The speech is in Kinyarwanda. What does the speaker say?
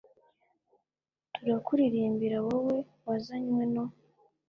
turakuririmbira, wowe wazanywe no